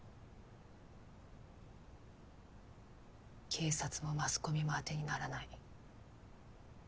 警察もマスコミもあてにならない。